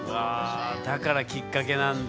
だからきっかけなんだ。